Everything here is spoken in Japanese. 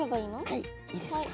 はいいいですか？